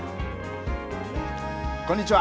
こんにちは。